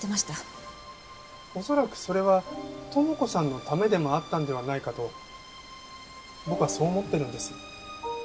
恐らくそれは友子さんのためでもあったんではないかと僕はそう思ってるんです。